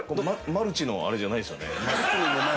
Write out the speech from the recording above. マルチのあれじゃないですよね？